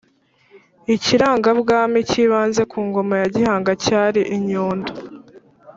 ikirangabwami cy'ibanze ku ngoma ya gihanga cyari inyundo,